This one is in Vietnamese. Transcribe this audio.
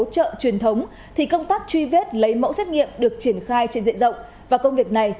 chợ truyền thống thì công tác truy vết lấy mẫu xét nghiệm được triển khai trên diện rộng và công việc này